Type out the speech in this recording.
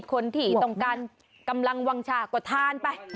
คนที่ต้องการกำลังวางชาก็ทานไป